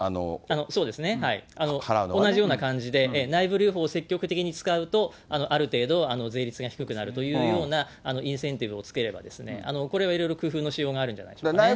同じような感じで、内部留保を積極的に使うと、ある程度、税率が低くなるというようなインセンティブをつければですね、これはいろいろ工夫のしようがあるんじゃないでしょうかね。